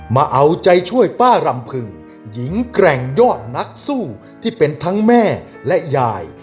มาเอาใจช่วยป้ารำพึงหญิงแกร่งยอดนักสู้ที่เป็นทั้งแม่และยาย